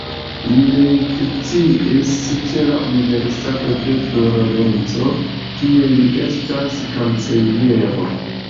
Li lekciis ĉe la Universitato de Florenco, kie li estas kanceliero.